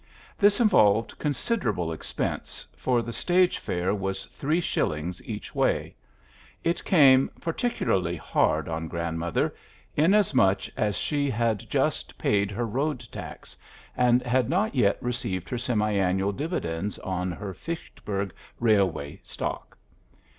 This involved considerable expense, for the stage fare was three shillings each way: it came particularly hard on grandmother, inasmuch as she had just paid her road tax and had not yet received her semi annual dividends on her Fitchburg Railway stock.